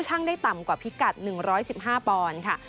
ได้ต่ำกว่าพิกัด๑๑๕ปอนด์ค่ะ